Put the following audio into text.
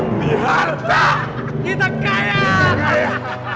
tidak boleh ini adalah jalan kaya